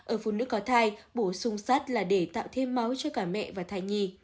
ở phụ nữ có thai bổ sung sắt là để tạo thêm máu cho cả mẹ và thai nhi